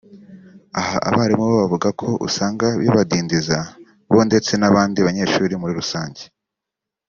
Aha abarimu bo bavuga ko usanga bibadindiza bo ndetse n’abandi banyeshuri muri rusange